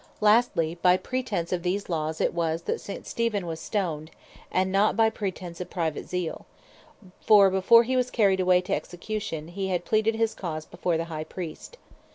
Lastly, by pretence of these Laws it was, that St. Steven was Stoned, and not by pretence of Private Zeal: for before hee was carried away to Execution, he had Pleaded his Cause before the High Priest.